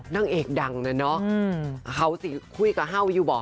นางเอกดังนะเนาะเขาสิคุยกับเฮ่าอยู่บอก